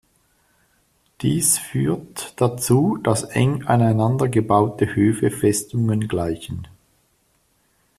Dies führt dazu, dass eng aneinander gebaute Höfe Festungen gleichen.